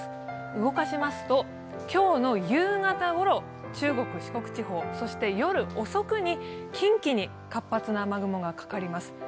動かしますと、今日の夕方ごろ、中国・四国地方、そして夜遅くに近畿に活発な雨雲がかかります。